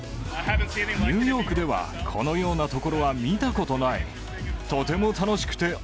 ニューヨークではこのようなところは見たことない。